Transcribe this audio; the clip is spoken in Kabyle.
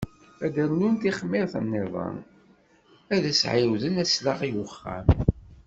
Ad d-rnun tixmirt-nniḍen, ad s-ɛiwden aslaɣ i uxxam.